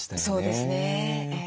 そうですね。